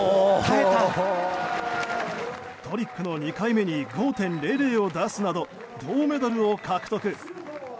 トリックの２回目に５．００を出すなど銅メダルを獲得。